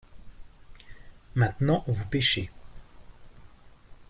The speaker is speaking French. Maintenant vous pêchez.